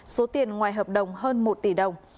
số tiền ngoài hợp đồng hơn một tỷ đồng